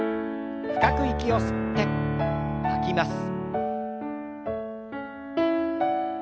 深く息を吸って吐きます。